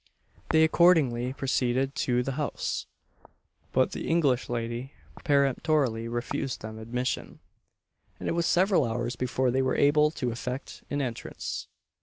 They accordingly proceeded to the house, but the English lady peremptorily refused them admission, and it was several hours before they were able to effect an entrance.